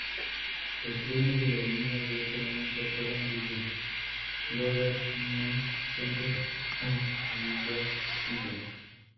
Los trenes de la 'línea B' solamente operan desde Government Center al Riverside.